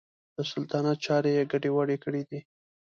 د سلطنت چارې یې ګډې وډې کړي دي.